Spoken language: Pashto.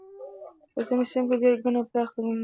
په ځینو سیمو کې ډېر ګڼ او پراخ څنګلونه لري.